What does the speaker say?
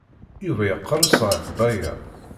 Yuba yeqres ɣef Baya.